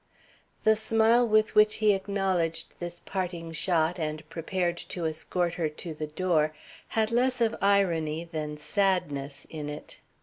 The smile with which he acknowledged this parting shot and prepared to escort her to the door had less of irony than sadness in it.